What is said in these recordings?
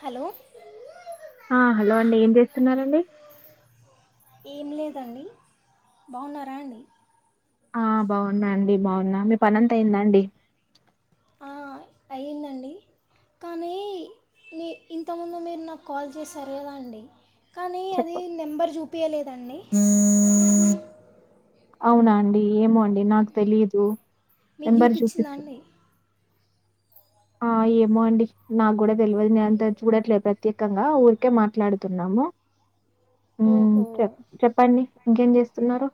Hello ఆ hello అండి ఏం చేస్తున్నారండి ఏం లేదండి బాగున్నారా అండి ఆ బాగున్నా అండి బాగున్నా మీ పనంత అఇందా అండి అయిందండీ కానీ నీ ఇంతముందు మీరు నాక్ కాల్ చేసారు కదా అండి కానీ అది చెప్పు. నెంబర్ చూపియలేదండి అవునా అండి ఏమో అండి నాకు తెలిదు మీకు చూపించిందా అండి ఆ ఏమోండి నాకు కూడా తెల్వదు నేను అంత చూడట్లేదు ప్రత్యేకంగా ఊర్కే మాట్లాడ్తున్నాము ఉహ్ ఓహో చె-చెప్పండి ఇంకేం జేస్తున్నారు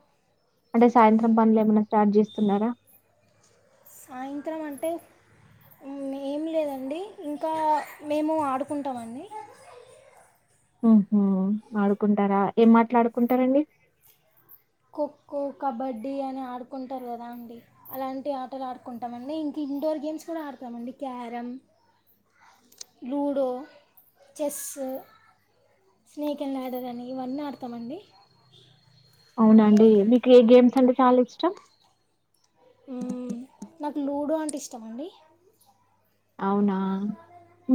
అంటే సాయంత్రం పనులన్ని ఏమన్నా స్టార్ట్ చేస్తున్నారా సాయంత్రమంటే ఏం లేదండి ఇంకా మేము ఆడుకుంటామండి ఉహూ ఆడుకుంటారా ఏం మాట్లాడుకుంటారండి ఖోఖో కబడ్డీ అని ఆడ్కుంటారు కదండి అలాంటి ఆటలు ఆడ్కుంటామండి ఇంకా ఇన్డోర్ గేమ్స్ కూడా ఆడ్తామండి carrom ludo chess snake and ladder అని ఇవన్నీ ఆడ్తామండి అవునా అండి మీకే గేమ్స్ అంటే చాలా ఇష్టం ఉహ్ నాకు లూడో అంటే ఇష్టమండి అవునా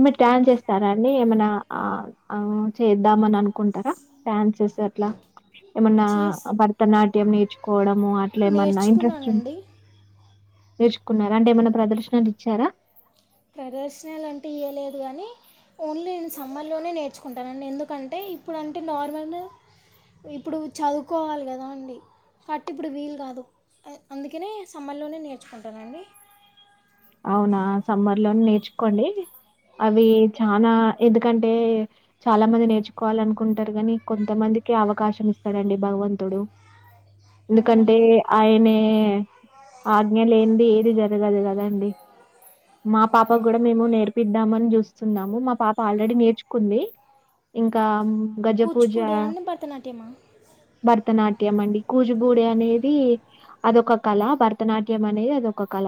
మీ డ్యాన్ చేస్ సారండి ఏమైనా ఆ-ఆ చేద్దామననుకుంటారా డ్యాన్సెస్ అట్లా ఏమన్నా చేస్ భరతనాట్యం నేర్చుకోవడము అట్లేమన్నా ఇంట్రెస్ట్ ఉ నేర్చుకున్నానండి నేర్చుకున్నా అంటే ఏమన్నా ప్రదర్శనలిచ్చారా ప్రదర్శనలంటే ఇయ్యలేదు గానీ ఓన్లీ నేను సమ్మర్లోనే నేర్చుకుంటానండి ఎందుకంటే ఇప్పుడు అంటే నార్మల్ ఇప్పుడు చదువుకోవాలి కదా అండి కాట్టి ఇప్పుడు వీలు కాదు అందుకనే సమ్మల్లోనే నేర్చుకుంటానండి ఔనా సమ్మర్లో నేర్చుకోండి అవి చానా ఎందుకంటే చాలా మంది నేర్చుకోవాలనుకుంటారు గాని కొంతమం దికే అవకాశం ఇస్తాడండి భగవంతుడు ఎందుకంటే అవునండి ఆయినే ఆజ్ఞ లేనిది ఏది జరగదు గదండి మా పాప గూడా మేము నేర్పిద్దామని చూస్ సున్నాము మా పాప ఆల్రెడీ నేర్చుకుంది ఇంకా గజపూజ కూచిపూడియా అండి భరతనాట్యమా భరతనాట్యమండి కూచిపూడి అనేది అదొక కళ భరతనాట్యం అనేది అదొక కళ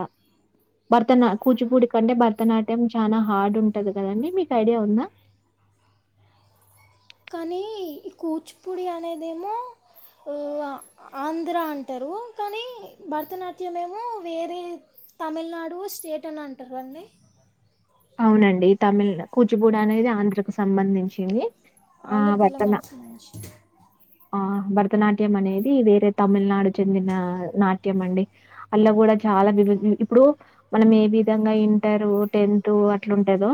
భరతనా కూచిపూడి కంటే భరతనాట్యం చాలా హార్డ్ ఉంటంది కదండి మీకు ఐడియా ఉందా కాన కూచిపూడి అనేదేమో ఓ ఆ-ఆంధ్ర అంటారు కానీ భరతనాట్యమేమో వేరే తమిళనాడు స్టేట్ అని అంటారండి ఔనండి తమిళ కూచిపూడనేది ఆంధ్రకు సంబంధించింది ఆ ఆంధ్ర భరతనా తెలంగాణ సంబంధించి ఆ! భరతనాట్యం అనేది వేరే తమిళనాడు చెందిన నాట్యమండి అలా కూడా చాలా ఇప్పుడు మనం ఏ విధంగా ఇంటరు టెన్ టు అట్లుంటదొ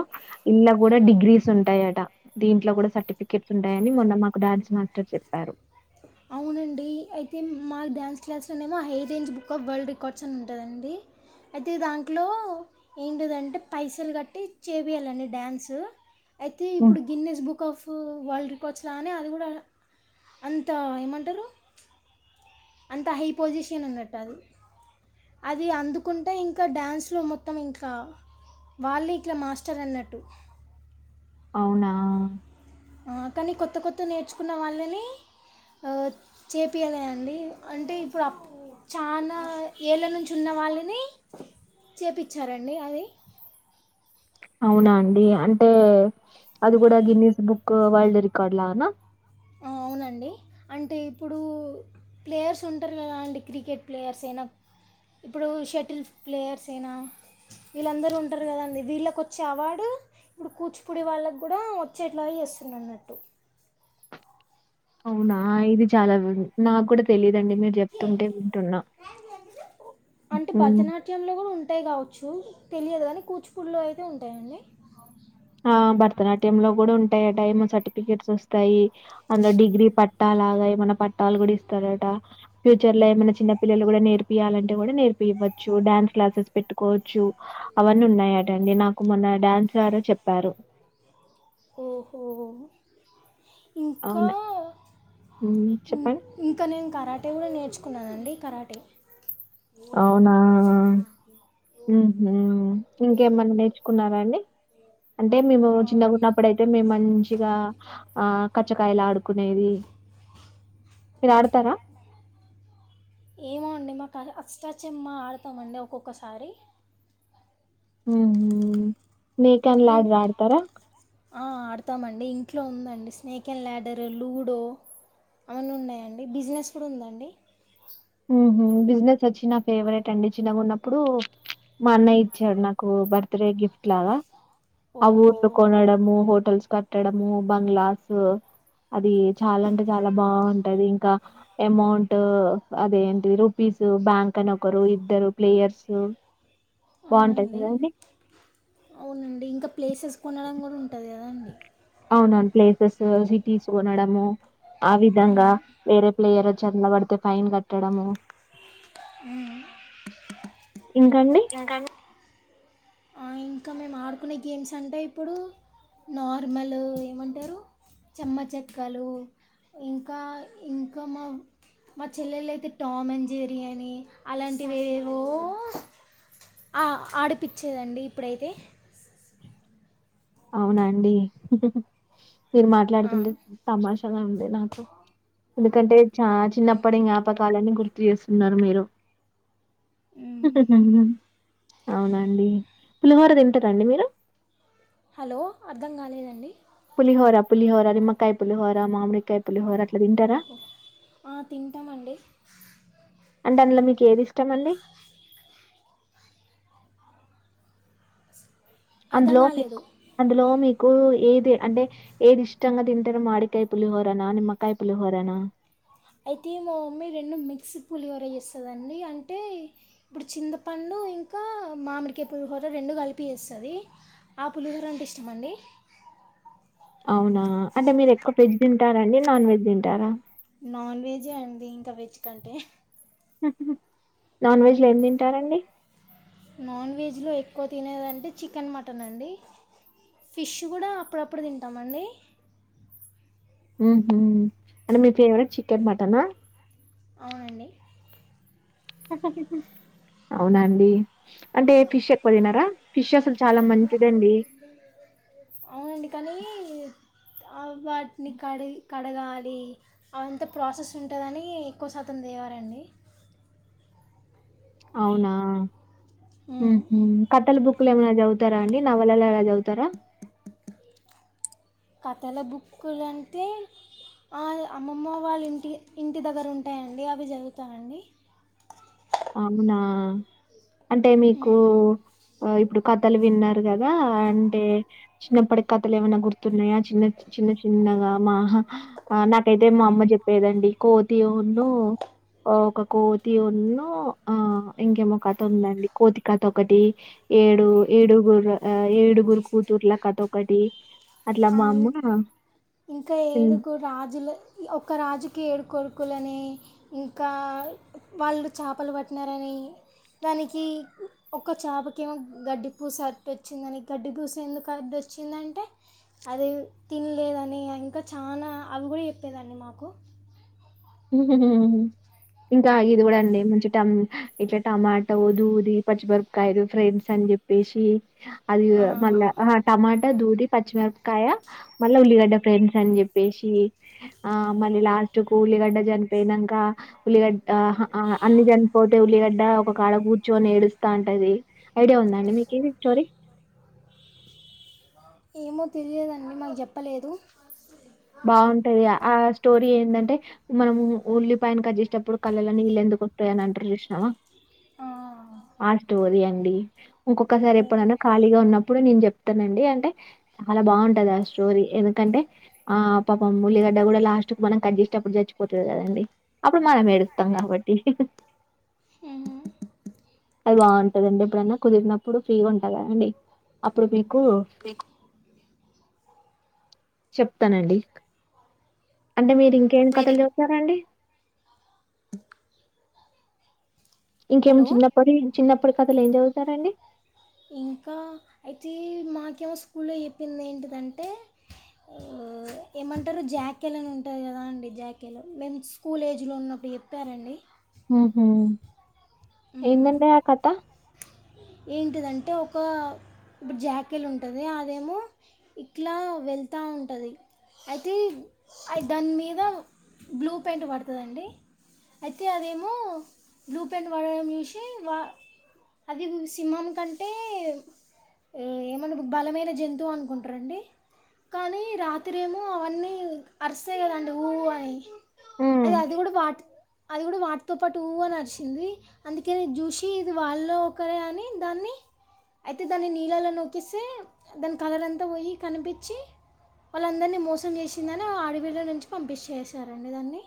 ఇళ్ల కూడా డిగ్రీస్ ఉంటాయట దీంట్ల కూడా సర్టిఫికెట్స్ ఉంటాయని మాకు డాన్స్ మాస్టర్ చెప్పారు ఔనండి అయితే మా డ్యాన్స్ క్లాస్లోనేమో high range book of world records అని ఉంటదండి అయితే దాంట్లో ఏంటిదంటే పైసలు కట్టి చేపియాలండి డ్యాన్సు అయితే హ్మ్. ఇప్పుడు Guinness book of world records లానే అది కూడా అం అంత ఏమంటారు అంత హై పొజిషన్ ఉన్నట్ట అది అది అందుకుంటే ఇంకా డ్యాన్స్లో మొత్తం ఇంకా వాళ్ళిట్లా మాస్టర్ అన్నట్టు ఔనా ఆ కానీ కొత్త కొత్త నేర్చుకున్న వాళ్ళని చేపియలా అండి. అంటే ఇప్పుడు చాన ఏళ్ళ నుంచి ఉన్న వాళ్ళని చేపిచ్చారండి అది అవునా అండి అంటే అది గుడా గిన్నిస్ బుక్ వరల్డ్ రికార్డ్లానా ఆ అవునండి అంటే ఇప్పుడు ప్లేయర్స్ ఉంటరు గదా. అండి క్రికెట్ ప్లేయర్స్ అయినా ఇప్పుడు షటిల్ ప్లేయర్స్ ఐనా వీళ్ళందరూ ఉంటారు కదండి. వీళ్ళకొచ్చే అవార్డు ఇప్పుడు కూచిపూడి వాళ్ళకు కూడా వచ్చేట్లా చేస్తున్నాడు అన్నట్టు అవునా ఇది చాలా నాకు కూడా తెలిదండి. మీరు చెప్తుంటే వింటున్నా. అంటే హ్మ్. భరతనాట్యంలో కూడా ఉంటాయి కావచ్చు. తెలియదు కానీ కూచిపూడిలో అయితే ఉంటాయండి. ఆ భరతనాట్యంలో కూడా ఉంటాయిట. ఏమో సర్టిఫికెట్స్ వస్తాయి. అందులో డిగ్రీ పట్టా లాగా ఏమన్నా పట్టాలు కూడా ఇస్తారట. ఫ్యూచర్ లో ఏమన్నా చిన్న పిల్లలు గుడా నేర్పియాలంటే కూడా నేర్పి వచ్చు డాన్స్ క్లాసెస్ పెట్టుకోవచ్చు. అవన్నీ ఉన్నాయాటండి. నాకు మొన్న డాన్స్ ద్వారా చె టారు ఓహో ఇంకా అవును. హ్మ్. చెప్పండి. ఇంక నేను కరాటే గుడా నేర్చుకున్నానండి కరాటే ఉమ్ హు ఇంకేమన్నా నేర్చుకున్నారా అండి. అంటే మేము ఆ, చిన్నగున్నప్పుడయితే మేము మంచిగా ఆ కచ్చకాయలు ఆడుకునేది మీరు ఆడతారా ఏమో అండి మాకు అష్టాచమ్మ ఆడతామండి ఒక్కొక్కసారి ఉమ్ వీకెండ్ ఇం- లాగా ఆడతారా ఆ, ఆడతామండి ఇంట్లో ఉందండి స్నేక్ అండ్ ల్యాడర్ లూడో అవన్ని ఉన్నాయండి. బిజినెస్ కూడా ఉంద అండి. ఉహు బిజినెస్ వచ్చి నా ఫేవరెట్ అండి చిన్నగ ఉన్నప్పుడు మా అన్నయ్య ఇచ్చాడు నాకు బర్త్డే గిఫ్ట్ లాగా ఆ ఓహో ఊర్లో కొనడము హోటల్స్ కట్టడము బంగ్లాస్ అది చాలా అంటే చాలా బాగుంటది ఇంకా అమౌంట్ అదేంటి రూపీస్ బ్యాంక్ అని ఒకరు ఇద్దరు ప్లేయర్స్ బావుంటది అవునండి కదండీ. అవునండి ఇంకా ప్లేసెస్ కొనడం కూడా ఉంటది కదా అం ప్లేసెస్ సిటీస్ కొనడం ఆ విధంగా వేరే ప్లేయర్ చెందబడితే ఫైన్ కట్టడము ఇంకండి ఇంకా అన్ ఆ ఇంకా మేము ఆడుకునే గేమ్స్ అంటే ఇప్పుడు నార్మల్ ఏమంటారు చెమ్మ చెక్కలు ఇంకా ఇంకా మా మా చెల్లెలు అయితే టామన్ జెర్రీ అని అలాంటివివెవో అ ఆడిపిచ్చేదండి ఇప్పుడైతే అవునా అండి మీరు ఆ. మాట్లాడుతుంటే తమాషగా ఉంది. నాకు ఎందుకంటే చా చిన్న ప్పడి జ్ఞాపకాలన్ని గుర్తు చేస్తున్నారు మీరు మ్మ్. అవునా అండి. పులిహోర తింటర అండి మీరు. హలో అర్థం కాలేదండి. పులిహోర పులిహోర నిమ్మకాయ పులిహోర మామిడి పులిహోర అట్ల తింటారా ఓహో ఆ, తింటామండి అంటే అందులో ఏదిష్టంమండి అర్థం అందులో మీక్ కాలేదు అందులో మీ కు ఏది అంటే ఏది ఇష్టంగా తింటారు. మాడికాయ పులిహోరనా నిమ్మకాయ పులిహోరనా అయితే మా మమ్మీ రెండు మిక్స్ పులిహోర చేస్తదండి. అంటే ఇప్పుడు చింతపండు ఊ ఇంకా మామ్ మిడికే పులిహోర రొండు కలిపి ఎస్తది ఆ పులిహోర అంటే ఇష్టమండి ఔనా అంటే మీరు ఎక్కువ వెజ్ తింటారండి. నాన్ వెజ్ తింటారా చికంటే ఉహుహ్ నాన్ వెజ్ లో ఏం దింటారండి నాన్ వెజు లో ఎక్కు తినేదంటే చికెన్ మటనండి ఫిష్ గుడా అప్పుడప్పుడు తింటమండి ఉమ్ అంటే మీ ఫేవ్ రెట్ చికెన్ మటన ఔనండి ఔనాండి అంటే ఫిష్ ఎక్కు దినరా ఔనండి కానీ అవ్ వాట్ నీ కడియి కడగాలి అంతా ప్రాసెస్ ఉంటుందని ఎక్కు శాతం దేవరండి ఔనా ఉమ్ కథల్ బుక్ కులు ఏమ్మాన జౌవుతారా అండి నావలలా అల జౌవుతారా కథల బుక్కులంటే అదే అమ్మమ్మ వాళ్ళ ఇంటి ఇంటి దగ్గర ఉంటాయండి అవి జాదువుతనండి ఔనా అంటే మీకు ఆ ఇప్పుడు కథలు విన్నారు కదా అంటే చిన్నప్పటి కథలేవన్నా గుర్ తున్నయ చిన్న చి చిన్న చిన్నగా మాహా నాకైతే మా అమ్మ జెప్పేదండి కోతి ఉన్ను ఆ ఒక కోతి ఊన్ను ఇంకేమో కతుందండి కోతికత ఒకటి ఏడు ఏడుగుర్ర ఆ ఏడుగురు కు ఉతుర్లా కథోకటి ఆయ్ బ్ ఇంకా ఏడుగురు రాజుల ఒక రాజ్ కి ఏడు కొరుక్ కులని ఇంకా వాళ్ళు చాపల్ బట్ నరని దానికి ఒక చాపకేమో గడ్డి పూస అ టోచ్చిందని గడ్డి పూస ఎందుకాడొచ్ ఓచ్చిందంటే అది తిన్ లేదని ఇంకా చాలా అవుకూడా ఎపిందండి మాకు ఉహుహ్ ఇంకా ఇది కూడా అండి మంచి టమ్ ఇట్లా టమాటో దూది పచ్ మిర్ పకాయిలు ఫ్రెండ్స్ అన్ జెప్పేషి అదిదు మళ్ళా ఆహా టమాటా దూది పచ్ మిరప్ కాయ మళ్ళ ఉల్లిగడ్డ ఫ్రెండ్స్ అన్ జేప్పేషి ఆ మళ్ళీ లాస్టుకు ఉల్లిగడ్ జన్ పేయినంక ఉల్లిగడ్ ఆహా ఆ అన్ని జన్ పోతే ఉల్లిగడ్ డ ఒక్కాడ గుచ్చోని ఏడుస్తాంటది ఐడియా ఉదాండి మీకి ఇది స్టోరీ ఏమో తెల్యదండి మాక్ జేప్పలేదు బాఉంటాది ఆ స్టోర్ రీ ఏందంటే మనము ఉల్లిపాయను కట్ జేస్ టప్పుడు కళ్ళలో నీళ్ళెందుకు వోతయ్ అని అంటారు జూష్ నవ ఆ ఆ స్టోరీ అండి ఉంకొకసారి ఎప్పుడనా ఖాళీగా ఉన్నప్పుడు నేన్ జెప్ తనండి అంటే చాలా బాఉంటాది ఆ స్టోరీ ఎందుకంటే ఆ పాపం ఉల్లిగడ్డ కూడా లాస్టుక్ మనం కట్ జేస్ టప్పుడు జాచ్ పోతది కదండి అప్పుడు మనం ఏడుతమ్ కాబట్టి హి హు ఉహ్ బాఉంటదండి ఎప్పుడనా కుదిర్ నప్పుడు ఫ్రీగా ఉంటా కదండి అప్పుడు పె కుఉ చెప్తనండి అంటే మీరు ఇంకేమి కథలు జేప్తారండి ఇంకేమి హలో చిన్నప్పడి చిన్నప్పటి కథలు ఏం చదువుతారండి ఇంకా అయితే మాకేమో స్కూల్లో జెప్పిందెంటిదంటె ఏమంటారు జాకెల్ అని ఉంటది కదా అండి జాకెలు మేము స్కూల్ ఏజ్లో ఉన్నప్ ఎప్ తారండి ఉహుమ్ ఎమ్మాన ఆ కథ ఏంటిదంటే ఒక ఆ ఇప్ డు జాకిల్ ఉంటది అదేమో ఇట్లా వెళ్తా ఉంటది అయిబ్ అయ్ ద్ దాన్ మీద బ్లూ పెంట్ పడతదండి అయితే అదేమో బ్లూ పెన్ పడడం చూసి వా అది ఉ సింహం కంటే ఏమన్నఇపుడు బలమైన జంతువు అనుకుంటరండి కానీ రాత్రి ఎమో అవన్నీ అరుస్తయ్ గదండి ఉ అని హ్మ్. అది అది గూడ వాటి అది గూడ వాటితో పాటు ఊ అని అరిశింది అందుకెనే ఇది జూసి ఇది వాళ్ళో ఒకరే అని దాన్ని అయితె దాన్ని నీళ్ళలో నుకేస్తే దాని కలర్ అంతా పోయి కనిపిచ్చి వాళ్ళందరినీ మోసం చేశిందని ఆ అడవిలో నుంచి పంపించెసారండి దాన్ని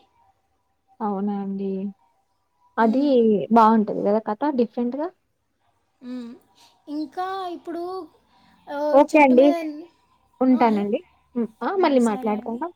అవునా అండి అదీ ఉమ్. బావుంటది గదా కథ డిఫరెంట్గా ఇంకా ఇప్పుడు ఆ ఓకే చెట్టు అండి. మీద ఎన్ ఉంటానండి ఉ అ మళ్ళి సరే అండి. మాట్లాడతాను